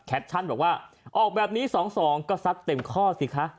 บอกว่าออกแบบนี้๒๒ก็ซัดเต็มข้อสิคะ